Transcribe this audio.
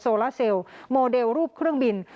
ลาเซลโมเดลรูปเครื่องบิน